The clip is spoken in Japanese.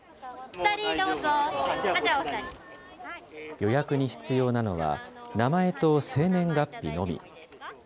予約に必要なのは、名前と生年月日のみ。